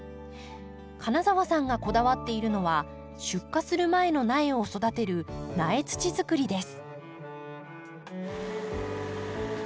金澤さんがこだわっているのは出荷する前の苗を育てる苗土づくりです。